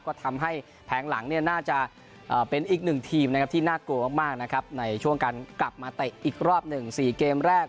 ก็ทำให้แผงหลังเนี่ยน่าจะเป็นอีกหนึ่งทีมนะครับที่น่ากลัวมากนะครับในช่วงการกลับมาเตะอีกรอบหนึ่ง๔เกมแรก